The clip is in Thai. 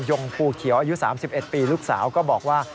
ยงภูเขียวอายุ๓๑ปีลูกสาวก็บอกว่า